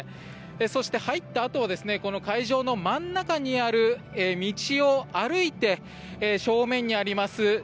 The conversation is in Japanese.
そして入ったあとはこの会場の真ん中にある道を歩いて正面にあります